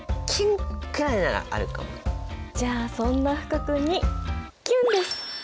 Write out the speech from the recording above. じゃあそんな福君にキュンです！